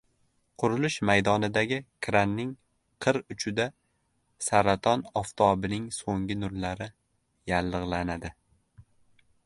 Qurilish maydonidagi kranning qir uchida saraton oftobining so‘nggi nurlari yallig‘lanadi.